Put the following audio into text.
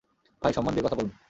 ভাই, সন্মান দিয়ে কথা বলুন।